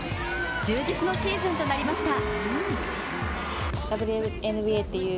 充実のシーズンとなりました。